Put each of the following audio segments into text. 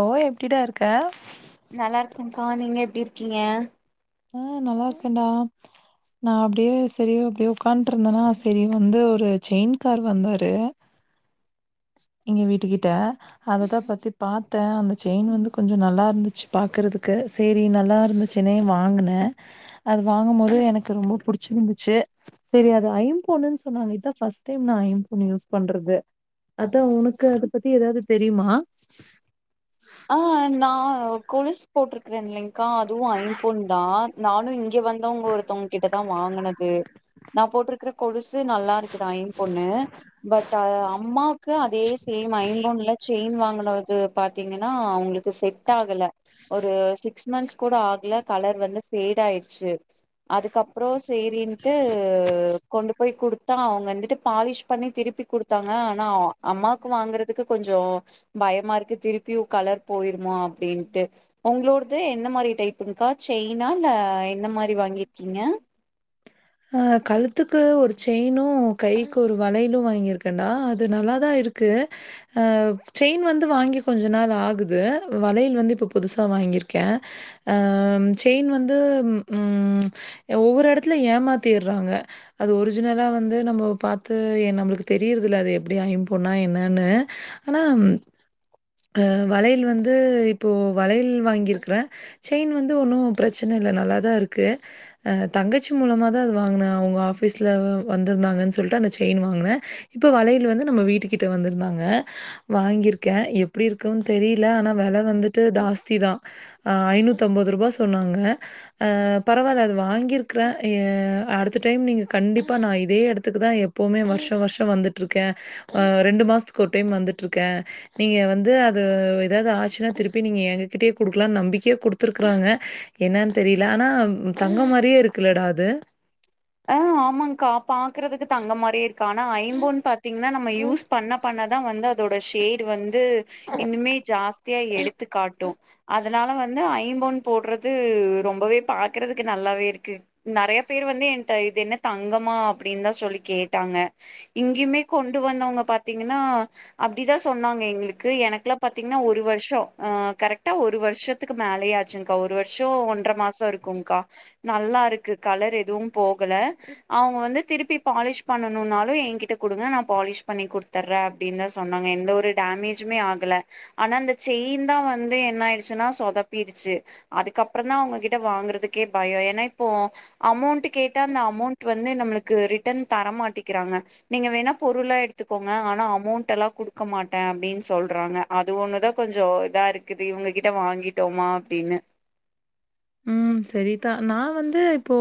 ஓ எப்டிடா இருக்க நல்லா இருக்கங்கா நீங்க எப்டி இருக்கீங்க ஆ நல்லா இருக்கேன்டா நா அப்டியே செரி அப்டே உக்காட்ருந்தனா செரின் வந்து ஒரு செயின் கார் வந்தாரு எங்க வீட்டுக்கிட்ட அததா பத்தி பாத்தே அந்த செயின் வந்து கொஞ்சொ நல்லா இருந்துச்சு பாக்கறதுக்கு செரி நல்லா இருந்துச்சுன்னே வாங்குனே அது வாங்கும்போது எனக்கு ரொம்ப புடிச்சிருந்துச்சு செரி அது ஐம்பொன்னுன் சொன்னாங்க இதா ஃபரஸ்ட் டைம் நா ஐம்பொன்னு யூஸ் பண்றது அதா உனக்கு அத பத்தி எதாவ்து தெரியுமா ஆ நா கொலுசு போட்டுருக்றேன்லக்கா அதுவு ஐம்பொன் தா நானு இங்க வந்தவங்க ஒருத்தவங் கிட்டதா வாங்குனது நாப் போட்ருக்கற கொலுசு நல்லாருக்குதா ஐம்பொன்னு பட் அ அம்மாக்கு அதே சேம் ஐம்பொன்ல செயின் வாங்கனது பாத்தீங்கன் னா அவுங்ளுக்கு செட் ஆகல ஒரு சிக்ஸ் மந்த்ஸ் கூட ஆகல கலர் வந்து ஃபேடு ஆயிட்ச்சு அதுக்கப்றோ சேரின்ட்டு கொண்டு போய் குடுத் தா அவுங்க வந்துட்டு பாலிஷ் பண்ணி திருப்பி குடுத்தாங்க ஆனா அ அம்மாக் கு வாங்கறதுக்கு கொஞ்சோ பயமாருக்கு திருப்பியு கலர்ப் போயிருமா அப்டின்ட்டு உங்ளோடது எந்த மாரி டைப்புங்க்கா செயினா இல்ல எந்த மாரி வாங்கிருக்கீங்க அ கழுத்துக்கு ஒரு செயினு கைக்கு ஒரு வளையிலு வாங்கிருக்கேண்டா அது நல்லாதா இருக்கு அ செயின் வந்து வாங்கி கொஞ்ச நாள் ஆகுது வளையல் வந்து இப்ப புதுசா வாங்கிருக்கே அ செயின் வந்து ம் ஒவ்வொரு எடத்ல ஏமாத்திர்றாங்க அது ஒரிஜினலா வந்து நம்மோ பாத்து நம்ளுக்கு தெரியுறதில்ல அது எப்டி ஐம்பொன்னா என்னனு ஆனாம் அ வளையல் வந்து இப்போ வளையல் வாங்கிருக்றே செயின் வந்து ஒன்னு பிரச்ன இல்ல நல்லாதா இருக்கு அ தங்கச்சி மூலமாதா அது வாங்குன அவுங்க ஆஃபீஸ்ல வந்திருந்தாங்கன் சொல்ட்டு அந்த செயின் வாங்ன இப்போ வளையல் வந்து நம்ம வீட்டுகிட்ட வந்திருந்தாங்க வாங்கிருக்க எப் ப்டி இருக்குன் தெரில ஆனா வெல வந்துட்டு தாஸ்திதா அ ஐநூத்தி அம்பதுருபா சொன்னாங்க அ பரவால்ல அது வாங்கிருக்றே அ அடுத்த டைம் நீங்க கண்டிப்பா நா இதே எடத்துக்குதா எப் போமே வருஷ வருஷ வந்துட்ருக்கே அ ரெண்டு மாச்த்துக்கு ஒரு டைம் வந்துட்ருக்கே நீங்கே வந் து அது எதாவ்து ஆச்சுனா திருப்பி நீங்க எங்ககிட்டியே குடுக்லான் நம்பிக்கியா குடுத்துருக்றாங்க என்னன் தெரில ஆனா தங்கம் மாரியே இருக்குல்லடா அது அ ஆமாங்கா பாக்றதுக்கு தங்க மாரியே இருக்கு ஆனா ஐம்பொன் பாத்தீங் ன நம்ம யூஸ் பண்ணப் பண்ணதா வந்து அதோட ஷேப் டு வந்து இன்னிமே ஜாஸ்தியா எடுத்துக்காட்டு அதனால வந்து ஐம்பொன் போட்றது ரொம்பவேப் பாக்றதுக்கு நல்லாவே இருக்கு நெறையப் பேர் வந்து என் ட இது என்ன தங்கமா அப்டின்தா சொல்லி கேட்டாங்க இங்கியுமே கொண்டு வந்தவங்க பாத்தீங்கனா அப்டிதா சொன்னாங்க எங்ளுக்கு எனக்லா பாத்தீங்னா ஒரு வர்ஷோ அ கரெக்டா ஒரு வர்ஷத் த்துக்கு மேலயே ஆச்சுங்க்கா ஒரு வருஷோ ஒன்ற மாச இருக்குங்க்கா நல்லாருக்கு கலர் எதுவு போகல அவுங்க வந்துத் திருப்பி பாலிஷ் பண்ணணுனாலு எங்கிட்ட குடுங்க நா பாலிஷ் பண்ணி குடுத் தர்ற அப்டின்தா சொன்னாங்க எந்த ஒரு டேமேஜுமே ஆகல ஆனா அந்த செயின்தா வந்து என்ன ஆயிடுச்சுனா சொதப்பிடுச்சு அதுக்கப்றந்தா அவுங்ககிட்ட வாங்கறதுக்கே பயோ ஏனா இப்போ அமௌண்ட்டுக் கேட்டா அந்த அமௌண்ட் வந்து நம்ளுக்கு ரிட்டர்ன் தர மாட்டேக்கிறாங்க நீங்க வேணாப் பொருளா எடுத்துக்கோங்க ஆனா அமௌண்ட் எல்லா குடுக்க மாட்டே அப்டின்னு சொல்றாங்க அது ஒன்னுதா கொஞ்சோ இதா இருக்குது இவுங்ககிட்ட வாங்கிட்டோமா அப்டினு ம் சரிதா நா வந்து இப்போ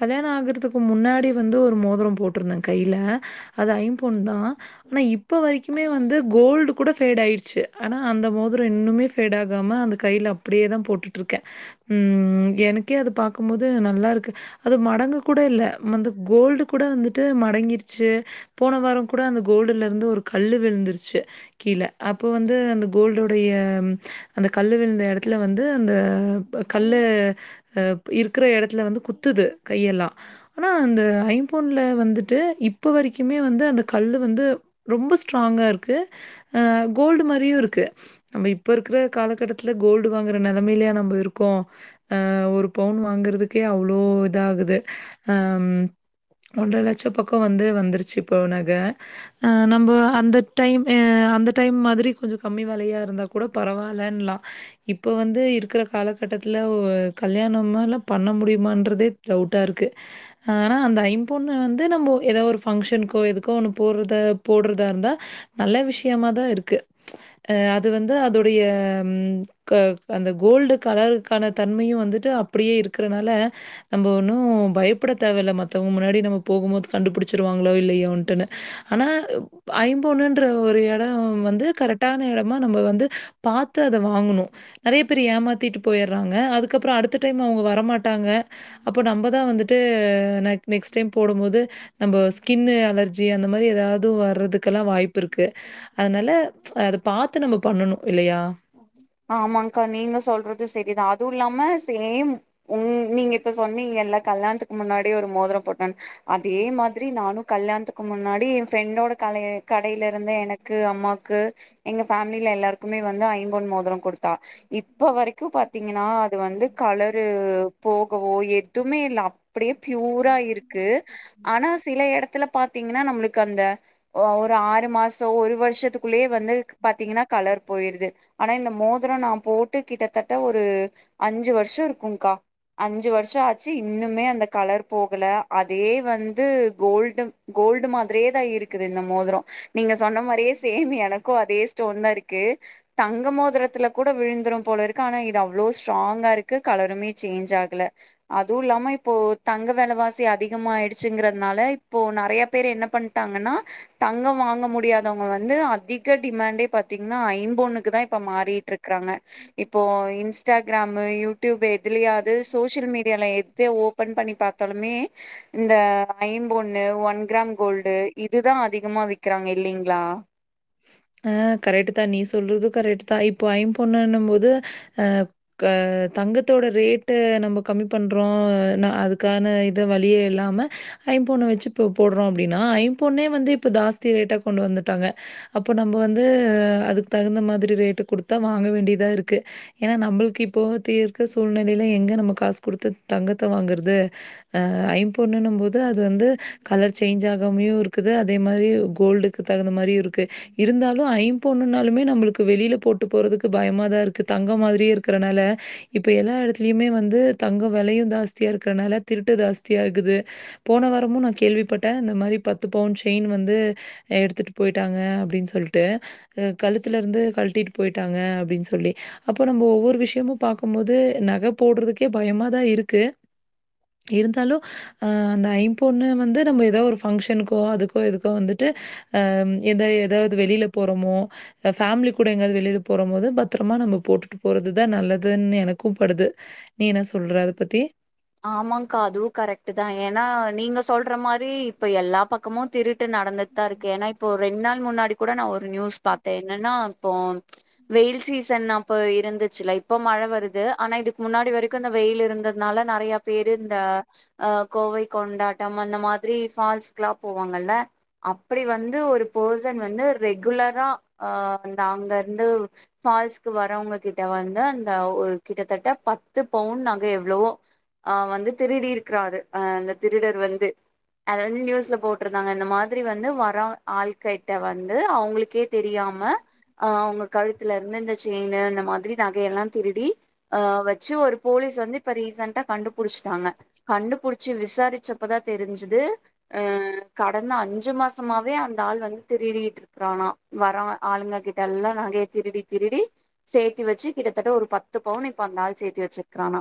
கல்யாண ஆகறதுக்கு முன்னாடி வந்து ஒரு மோதரோ போட்ருந்தே கைல அது ஐம்பொன்தா ஆனா இப்ப வரைக்குமே வந்து கோல்டு கூட ஃபேடு ஆயிடுச்சு ஆனா அந்த மோதரோ இன்னுமே ஃபேடு ஆகாம அந்தக் கைல அப்டியேதா போட்டுட்டு இருக்கே ம் எனக்கே அது பாக்கும்போது நல்லாருக்கு அது மடங்க கூட இல்ல அந்த கோல்டு கூட வந்துட்டு மடங்கிருச்சு போன வாரங் கூட அந்த கோல்டுல இருந்து ஒரு கல்லு விழுந்துருச்சு கீழ அப்போ வந்து அந்த கோல்டோடைய அந்த கல்லு விழுந்த எடத்துல வந்து அந்த ப்ப கல்லு அ இருக்குற எடத்துல வந்து குத்துது கையெல்லா ஆனா அந்த ஐபொன்ல வந்துட்டு இப்போ வரைக்குமே வந்து அந்த கல்லு வந்து ரொம்ப ஸ்ட்ராங்காருக்கு ஆ கோல்டு மாரியு இருக்கு நம்ப இப்ப இருக்ற காலகட்டத்துல கோல்டு வாங்ற நெலமைலயா நம்ப இரு க்கோ ஆ ஒரு பவுன் வாங்குறதுக்கே அவ்ளோ இதாகுது ஆ ஒன்ற லட்ச பக்கோ வந்து வந்துருச்சு இப்போ நக ஆ நம்ப அந்த டைம் ஆ அந்த டைம் மாதிரி கொஞ்சொ கம்மி வெலயா இருந்தா கூட பரவால்லன்லா இப்ப வந்து இருக்ற கால கட்டத்துல ஓ கல்யாணமுல்லா பண்ண முடிமான்றதே டவுட்டாருக்கு ஆனா அந்த ஐம்பொன்னு வந்து நம்போ எதா ஒரு ஃபங்ஷனுக்கோ எதுக்கோ ஒண்ணு போட்றது போட்றதாருந்தா நல்ல விஷ்யமாதாருக்கு ஆ அது வந்து அதோடய க அந்த கோல்டு கலருக்கான தன்மயு வந்துட்டு அப்டியே இருக்றனால நம்பொ ஒண்ணு பயப்பட தேவயில்ல மத்தவங்க முன்னாடி நம்ம போகும்போது கண்டுபுடிச்சிருவாங்ளோ இல்லயோன்ட்டுன்னு ஆனா ஐம்பொன்னுன்ற ஒரு எடோ வந்து கரெக்டான எடமா நம்ம வந்து பாத்து அத வாங்ணு நெறைய பேர் ஏமாத்திட்டு போய்றாங்க அதுக்கப்றோ அடுத்த டைம் அவுங்க வரமாட்டாங்க அப்போ நம்பதா வந்துட்டு நெக் நெக்ஸ்ட் டைம் போடும்போது நம்ப ஸ்கின்னு அலர்ஜி அந்த மாரி எதாது வர்றதுக்கல்லா வாய்ப்புருக்கு அதனால அத பாத்து நம்ம பண்ணணு இல்லயா ஆமாங்கா நீங்க சொல்றது செரிதா அதுல்லாம சேம் உங் நீங்க இப்ப சொன்னீங்கள்ல கல்லாணத்துக்கு முன்னாடியே ஒரு மோத்ரோ போட்டோன் அதே மாத்ரி நானு கல்யாண்த்துக்கு முன்னாடி எ ஃப்ரெண்டோட கலய கடைலருந்தே எனக்கு அம்மாக்கு எங்க ஃபேம்லில எல்லாருக்குமே வந்து ஐம்பொன் மோத்ரோ கொடுத்தா இப்ப வரைக்கு பாத்தீங்கன்னா அது வந்து கலரு போகவோ எதுமே இல்ல அப் அப்டியே ப்யூரா இருக்கு ஆனா சில எடத்துல பாத்தீங்ன்னா நம்ளுக்கு அந்த ஒ ஒரு ஆறு மாசோ ஒரு வர்ஷத்துக்குள்ளயே வந்து பாத்தீங்ன்னா கலர் போயிருது ஆனா இந்த மோத்ரோ நா போட்டு கிட்டத்தட்ட ஒரு அஞ்சு வர்ஷோ இருக்குக்கா அஞ்சு வர்ஷோ ஆச்சு இன்னுமே அந்த கலர் போகல அதே வந்து கோல்டு கோல்டு மாத்ரியே தா இருக்குது இந்த மோதரோ நீங்க சொன்ன மாரியே சேம் எனக்கு அதே ஸ்டோன் தாருக்கு தங்க மோத்ர த்துல கூட விழுந்துரும்போலருக்கு ஆனா இது அவ்ளோ ஸ்ட்ராங்காருக்கு கலருமே சேஞ்ச் ஆகல அதுவுல்லாம இப்போ தங்க வெலவாசி அதிகமாய்டுச்சுங்கறதுனால இப்போ நறைய பேரு என்ன பண்ட்டாங்கன்னா தங்கோ வாங்க முடியாதோங்க வந்து அதிக டிமாண்டே பாத்தீங்ன்னா ஐம்பொன்னுக்கு தா இப்ப மாறி ட்ருக்காங்க இப்போ இன்ஸ்டாகிராமு யூடியூப்பு எதுலையாது சோசியல் மீடியால எ து ஓபன் பண்ணி பாத்தாலுமே இந்த ஐம்பொன்னு ஒன் கிராம் கோல்டு இதுதா அதிகமா விக்கிறாங்க இல்லைங்ளா ஆ கரெக்ட்டு தா நீ சொல்றது கரெக்ட்டு தா இப்போ ஐம்பொன்னுனம்போது ஆ க தங்கத்தோட ரேட்டு நம்ப கம்மி பண்றோ நா அதுக்கான இத வழியே இல்லாம ஐம்பொன்ன வச்சு இப்ப போட்றோ அப்டின்னா ஐம் பொன்னே வந்து இப்ப தாஸ்தி ரேட்டா கொண்டு வந்துட்டாங்க அப்ப நம்ப‌வந்து அதுக்கு தகுந்த மாத்ரி ரேட்டு குடுத்தா வாங்க வேண்டிதாருக்கு ஏனா நம்ளுக்கு இப்போதிக்கி இருக்க சூழ்நிலைல எங்க நம்ப காசு குடுத்து தங்கத்த வாங்கற்து ஆ ஐம்பொன்னுன்னம் போது அது வந்து கலர் சேஞ்ச் ஆகாமயு இருக்குது அதே மாரி கோல்டு துக்கு தகுந்த மாறியு இருக்கு இருந்தாலு ஐம்பொண்ணுனாலுமே நம்மளுக்கு வெளியில போட்டு போறதுக்கு பயமா தா இருக்கு க்கு தங்க மாதிரியே இருக்குறனால இப்ப எல்லா எடத்துலயுமே வந்து தங்க வெலையு ஜாஸ்தியா இருக்கனால திருட்டு ஜாஸ்தியாகுது போன வாரமு நா கேள்விப்பட்ட இந்த மாரி பத்து பவுண் செயின் வந்து எடுத்துட்டு போயி ட்டாங்க அப்டின்னு சொல்ட்டு கழுத்தல இருந்து கழ்ட்டிட்டு போயிட்டாங்க அப்டின்னு சொல்லி அப்ப நம்ப ஒவ்வொரு விஷ்யமு பாக்கும் போது நக போடுறதுக்கே பயமாதா இருக்கு இருந்தாலு அ அந்த ஐம்பொண்ணு வந்து நம்ப ஏதா ஒரு ஃபங்ஷனுக்கோ அதுக்கோ எதுக்கோ வந்துட்டு அ எத எதாவது வெளியில போறோமோ இப்ப ஃபேமிலி கூட எங்காவது வெளில போற போது பத்திரமா நம்ம போட்டுட்டு போறதுதா நல்லதுன்னு எனக்கும் படுது நீ என்ன சொல்ற அத பத்தி ஆமாங்க்கா அதுவு கரெக்ட்டு தா ஏன்னா நீங்க சொல்ற மாறி இப்ப எல்லா பக்கமு திருட்டு நடந்து த்தா இருக்கு ஏன்னா இப்போ ரெண்டு நாள் முன்னாடி கூட நா ஒரு நியூஸ் பாத்த என்னன்னா இப்போ வெயில் சீசன் அப்ப இருந்துச்சுல்ல இப்ப மழ வருது ஆனா இதுக்கு முன்னாடி வரைக்கும் இந்த வெயில் இருந்ததுனால நெறய பேரு இந்த அ கோவை கொண்டாட்டம் அந்த மாதிரி ஃபால்ஸ்கெல்லா போவாங்கல்ல அப்டி வந்து ஒரு பர்சன் வந்து ரெகுலரா அ அந்த அங்க இருந்து ஃபால்ஸ்க்கு வரவங்க கிட்ட வந்து அந்த ஒரு கிட்டத்தட்ட பத்து பவுன் நக எவ்வளவோ அ வந்து திருடி இருக்காரு அ அந்த திருடர் வந்து அத வந்து நியூஸ்ல போட்டு இருந்தாங்க இந்த மாதிரி வந்து வறோ ஆள்கிட்ட வந்து அவங்களுக்கே தெரியாம அ அவங்க கழுத்துல இருந்து இந்த செயினு இந்த மாதிரி நகையெல்லா திருடி அ வச்சு ஒரு போலீஸ் வந்து இப்ப ரீசண்டா கண்டுபுடிச்சிட்டாங்க கண்டுபுடிச்சு விசாரிச்ச அப்பதா தெரிஞ்சுது அ கடந்த அஞ்சு மாசமாவே அந்த ஆள் வந்து திருடிட்டு இரு றானா வரவ ஆளுங்க கிட்ட எல்லா நகைய திருடி திருடி சேர்த்தி வச்சு கிட்டத்தட்ட ஒரு பத்து பவுன் இப்ப அந்த ஆள் சேத்தி வச்சிருக்கானா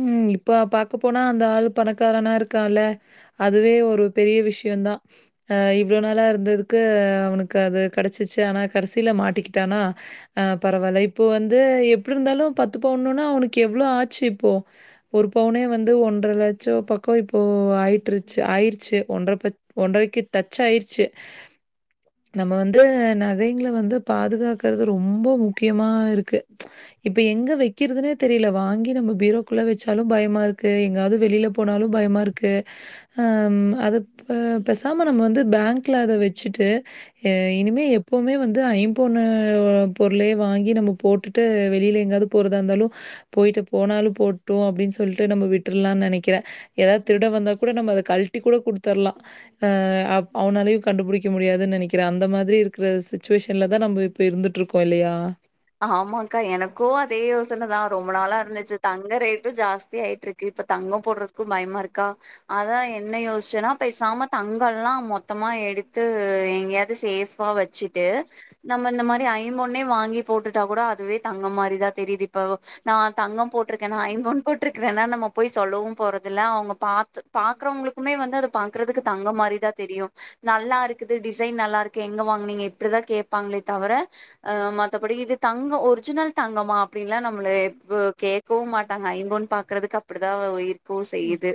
ம் இப்ப பாக்க போனா அந்த ஆள் பணக்காரனா இருக்கான்ல்ல அதுவே ஒரு பெரிய விஷயந்தா அ இவ்வளோ நாளா இருந்ததுக்கு அவனுக்கு அது கிடச்சிச்சு ஆனா கடசில மாட்டிக்கிட்டானா அ பரவாயில்ல இப்போ வந்து எப்டி இருந்தாலு பத்து பவுன்னவுன்னா அவனுக்கு எவ்வளோ ஆச்சு இப்போ ஒரு பவுனே வந்து ஒன்ற லட்ச பக்க இப்போ ஆயிட்டுருச்சு ஆயிருச்சு ஒன்றரை ப ஒன்றரைக்கு தச் ஆயிருச்சு நம்ம வந்து நகைங்கள வந்து பாதுகாக்கறது ரொம்ப முக்கியமா இருக்கு இப்ப எங்க வைக்கிறதுன்னே தெரில வாங்கி நம்ம பீரோ குள்ள வச்சாலு பயமா இருக்கு எங்காவது வெளில போனாலு பயமா இருக்கு அ அது ப்ப பேசாம நம்ம வந்து பேங்க்ல அத வச்சுட்டு இனிமே எப்பவுமே வந்து ஐம்பொண்ணு பொருளயே வாங்கி நம்ம போட் டுட்டு வெளில எங்காவது போறதா இருந்தாலு போய்ட்டு போனாலு போ டு அப்டின்னு சொல்லிட்டு நம் விட்றலாம்ன்னு நினைக்கிற ஏதாவது திருட வந்தா கூட நம்ம அத கல்டி கூட குடுத்தர்லா அ அவனாலையு கண்டுபிடிக்க முடியாதுன்னு நெனைக்கிற அந்த மாதிரி இருக்குற சுச்சுவேஷன்ல தா நம்ம இப் இப்போ இருந்துட்ருக்கோ இல்லயா ஆமாக்கா எனக்கு அதே யோசனதா ரொம்ப நாளா இருந்துச்சு தங்க ரேட்டு ஜாஸ்தி ஆயிட்டு இருக் இப்ப தங்க போடுறதுக்கும் பயமா இருக்கா அதா என்ன யோசிச்சுன்னா பேசாம தங்கல்லா மொத்தமா எடுத்து எங்கேயாவது சேஃபா வெச் வெச்சட்டு நம்ம இந்த மாதிரி ஐம்பொண்ணே வாங்கி போட்டுட்டா கூட அதுவே தங்கோ மாரிதா தெரியிது இப்ப நா தங்கோ போட்டிருக்கேனா ஐம்பொண் போட்ருக்றேனா நம்ம போய் சொல்லவு போறதில்ல அவுங்க பாத் பாக்குறவங்களுக்குமே வந்து அது பாக்கறதுக்கு தங்கோ மாரி தா தெரியு நல்லாருக்குது டிசைன் நல்லாருக்கு எங்க வாங்குனீங்க இப்டிதா கேப்பாங்ளே தவிர ஆ மத் தபடி இது தங் கோ ஒரிஜினல் தங்கமா அப்டின்ல்லா நம்மள எப் அ கேக்கவு மாட்டாங்க ஐம்போன் பாக்கறதுக்கு அப் இப்டிதா உயிர்க்கு செய்யிது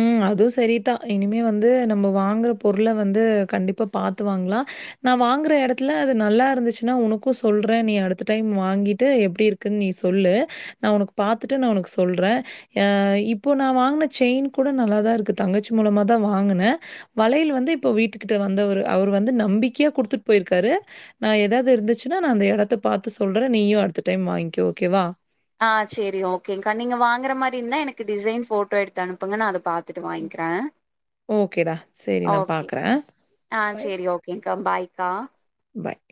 ம் அதுவு செரிதா இனிமே வந்து நம்ம வாங்குற பொருள வந்து கண்டிப்பா பாத்து வாங்ளா நா வாங்குற எடத்துல அது நல்லா இருந்துச்சுன்னா உனக்கு சொல்றே நீ அடுத்த டைம் வாங்கிட்டு எப்டி இருக் கு நீ சொல்லு நா உனக் பாத்துட்டு நா உனக் சொல்றே அ இப்போ நா வாங்குன செயின் கூட நல்லா தா இருக்கு தங்கச்சி மூலமாக தா வாங்குனே வளையல் வந்து இப்ப வீட்டுக்கிட்ட வந்தவரு அவரு வந்து நம்பிக்கையா குடுத்துட்டு போயிருக்காரு நா எதாவ்து இருந்துச்சுன்னா நா அந்த எடத்த பாத்து சொல்றே நீயு அடுத்த டைம் வாய்ங்கோ ஓகே வா ஆ செரி ஓகேங்க்கா நீங்க வாங்குற மாரி இருந்தா எனக்கு டிசைன் போட்டோ எடுத்து அனுப்புங்க நா அத பாத்து ட்டு வாங்கிறே ஓகேடா. சரி நான் ஓகே பார்க்குறேன். ஆ செரி ஓகேங்கா பாய்க்கா பாய்